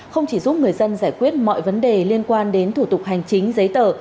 không chỉ giúp người dân giải quyết mọi vấn đề liên quan đến thủ tục hành chính giấy tờ